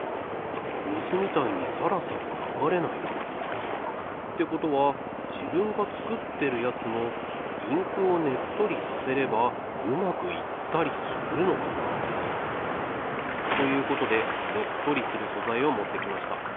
水みたいにサラサラ流れないな。ってことは自分が作ってるやつもインクをねっとりさせればうまくいったりするのかな？ということでねっとりする素材を持ってきました。